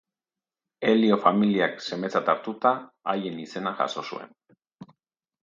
Elio familiak semetzat hartuta, haien izena jaso zuen.